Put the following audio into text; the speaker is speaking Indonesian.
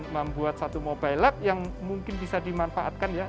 membuat satu mobile lab yang mungkin bisa dimanfaatkan ya